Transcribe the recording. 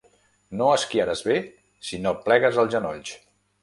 No esquiaràs bé si no plegues els genolls.